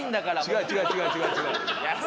違う違う違う違う違う。